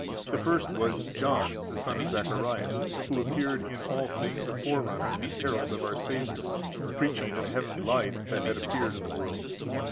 The first was John the son of Zacharias, who appeared in all things a forerunner and herald of our Saviour, preaching of the heavenly light that had appeared in the world.